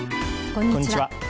こんにちは。